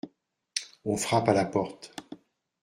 On frappe à la porte.